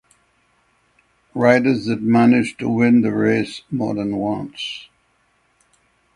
Riders that managed to win the race more than once.